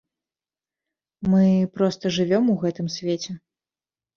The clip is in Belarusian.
Мы проста жывём у гэтым свеце.